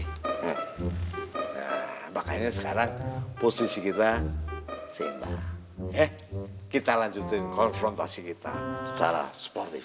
nah makanya sekarang posisi kita sembah ya kita lanjutin konfrontasi kita secara sportif